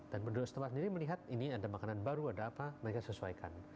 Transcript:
dan penduduk setempat sendiri melihat ini ada makanan baru ada apa mereka sesuaikan